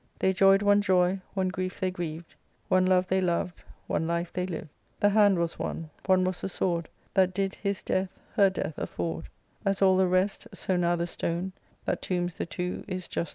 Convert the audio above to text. They joy'd one joy, one grief they griev'd, One love they lov'd, one life they liv'd. The hand was one, one was the sword That did his death, her death afford, As all the rest, so now the stone That tombs the two is jusdy one.